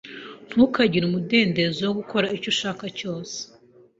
Ntukagire umudendezo wo gukora icyo ushaka cyose.